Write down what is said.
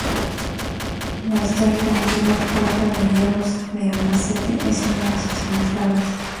La histórica Antigua Puerta de Hierros de Albacete es una de sus entradas.